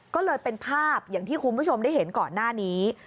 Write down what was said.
ก็เลยเป็นภาพอย่างที่คุณผู้ชมได้เห็นก่อนหน้านี้